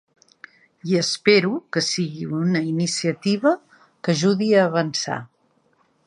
I espero que sigui una iniciativa que ajudi a avançar.